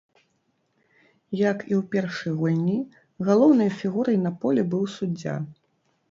Як і ў першай гульні, галоўнай фігурай на полі быў суддзя.